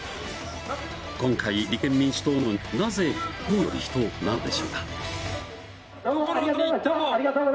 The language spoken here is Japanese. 今回、立憲民主党なのに、なぜ、党より人なのでしょうか。